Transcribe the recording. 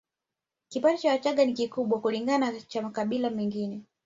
Kipato cha Wachagga ni kikubwa kulingana na cha makabila mengine